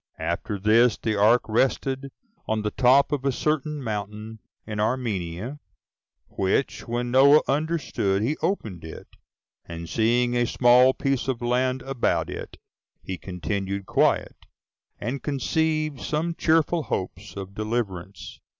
After this, the ark rested on the top of a certain mountain in Armenia; which, when Noah understood, he opened it; and seeing a small piece of land about it, he continued quiet, and conceived some cheerful hopes of deliverance.